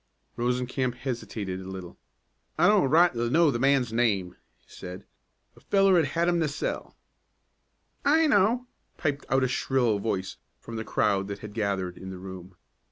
Rosencamp hesitated a little. "I don't rightly know the man's name," he said. "A feller 'at had 'im to sell." "I know!" piped out a shrill voice from the crowd that had gathered in the room.